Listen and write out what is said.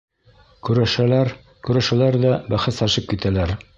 Көрәшәләр-көрәшәләр ҙә, бәхәсләшеп тә китәләр.